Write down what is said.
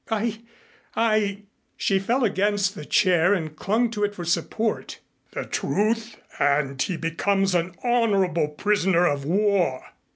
"I I " She fell against the chair and clung to it for support. "The truth, and he becomes an honorable prisoner of war.